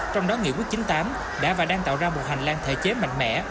trong đó nghị quyết chín mươi tám đã và đang tạo ra một hành lang thể chế mạnh mẽ